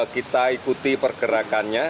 kita ikuti pergerakannya